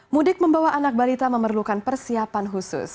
mudik membawa anak balita memerlukan persiapan khusus